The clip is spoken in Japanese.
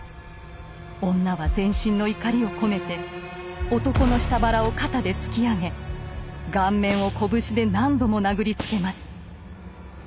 女は全身の怒りを込めて男の下腹を肩で突き上げ顔面を拳で何度も殴りつけます。